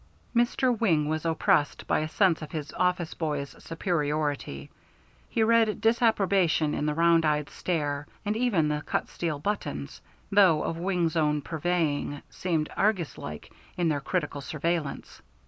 Mr. Wing was oppressed by a sense of his office boy's superiority. He read disapprobation in the round eyed stare, and even the cut steel buttons, though of Wing's own purveying, seemed arguslike in their critical surveillance.